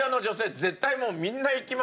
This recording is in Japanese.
絶対もうみんな行きますよ。